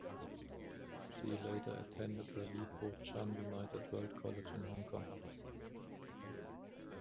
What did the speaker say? She later attended the Li Po Chun United World College in Hong Kong.